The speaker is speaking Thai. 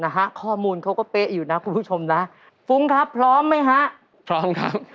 นะฮะข้อมูลเขาก็เป๊ะอยู่นะคุณผู้ชมนะฟุ้งครับพร้อมไหมฮะพร้อมครับ